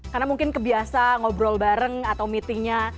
karena mungkin kebiasa ngobrol bareng atau meetingnya